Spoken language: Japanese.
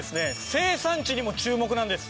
生産地にも注目なんです。